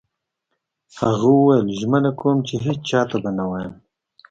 هغه وویل: ژمنه کوم چي هیڅ چا ته به نه وایم.